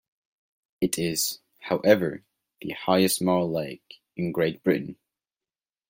It is, however, the highest marl lake in Great Britain.